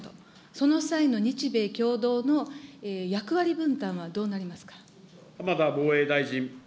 その際の日米共同の役割分担はどうなりますか。